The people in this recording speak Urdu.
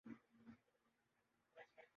دل کا ہر تار لرزش پیہم